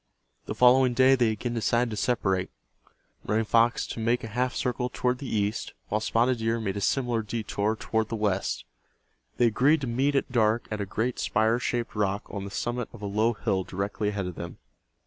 The following day they again decided to separate—Running Fox to make a half circle toward the east, while Spotted Deer made a similar detour toward the west. They agreed to meet at dark at a great spire shaped rock on the summit of a low hill directly ahead of them.